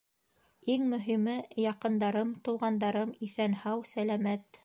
Иң мөһиме — яҡындарым, туғандарым иҫән-һау, сәләмәт.